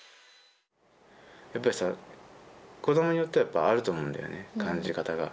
やっぱりさ子どもによってはあると思うんだよね感じ方が。